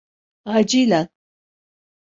Acilen.